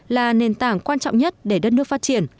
là nền tảng quan trọng nhất để đất nước phát triển